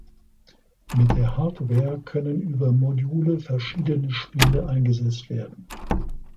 Mit der Hardware können über Module verschiedene Spiele eingesetzt werden.